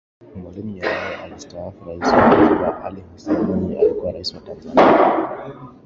Mwaalimu Nyerere alistaafu na Rais wa Zanzibar Ali Hassan Mwinyi alikuwa Rais wa Tanzania